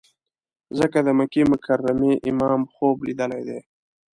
ځکه د مکې مکرمې امام خوب لیدلی دی.